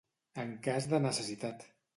En cas de necessitat.